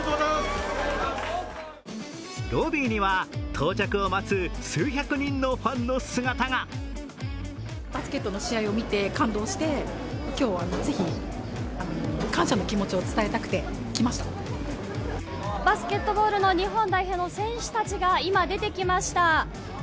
ロビーには到着を待つ数百人のファンの姿がバスケットボールの日本代表の選手たちが今出てきました。